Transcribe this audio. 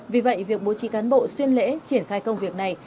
vì vậy việc bố trí cán bộ xuyên lễ triển khai công việc này